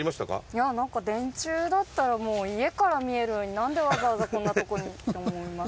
いやなんか電柱だったらもう家から見えるのになんでわざわざこんな所にって思います。